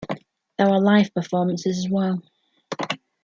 There are live performances as well.